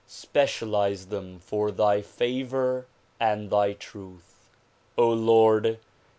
Specialize them for thy favor and thy truth. Lord